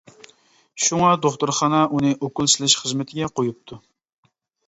شۇڭا دوختۇرخانا ئۇنى ئوكۇل سېلىش خىزمىتىگە قويۇپتۇ.